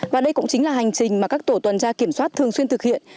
và đây cũng chính là hành trình mà các tổ tuần tra kiểm soát thường xuyên thực hiện